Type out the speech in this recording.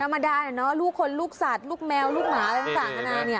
ธรรมดานะเนอะลูกคนลูกสัตว์ลูกแมวลูกหมาต่างอันนี้เออ